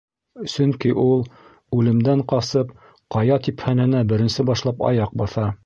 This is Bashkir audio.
— Сөнки ул, үлемдән ҡасып, ҡая типһәненә беренсе башлап аяҡ баҫа.